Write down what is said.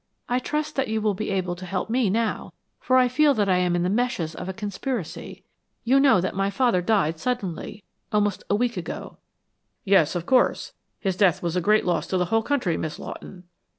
I trust that you will be able to help me now, for I feel that I am in the meshes of a conspiracy. You know that my father died suddenly, almost a week ago." "Yes, of course. His death was a great loss to the whole country, Miss Lawton."